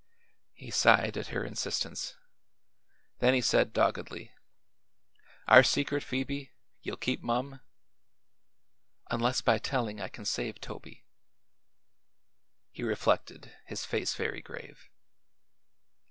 He sighed at her insistence. Then he said doggedly. "Our secret, Phoebe? You'll keep mum?" "Unless by telling I can save Toby." He reflected, his face very grave.